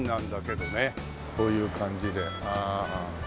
こういう感じでああ。